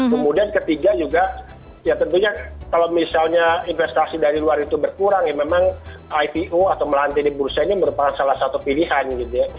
kemudian ketiga juga ya tentunya kalau misalnya investasi dari luar itu berkurang ya memang ipo atau melantik di bursa ini merupakan salah satu pilihan gitu ya